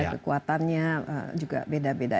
kekuatannya juga beda beda